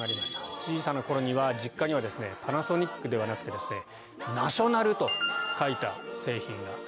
小さな頃には実家にはですねパナソニックではなくてですねナショナルと書いた製品がありました。